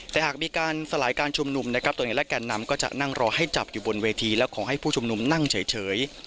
แต่หากมีการสลายการชุมนุมนะครับตัวเองและแก่นนำก็จะนั่งรอให้จับอยู่บนเวทีแล้วขอให้ผู้ชุมนุมนั่งเฉย